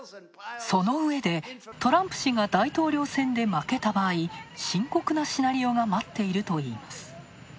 そのうえで、トランプ氏が大統領選挙で負けた場合、深刻なシナリオが待っているといいます。